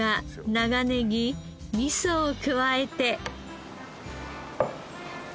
長ネギ味噌を加えて。